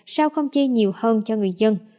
sao không chia nhiều hơn cho người dân